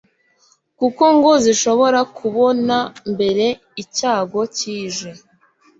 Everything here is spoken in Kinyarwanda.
kuko ngo zishobora kubona mbere icyago kije,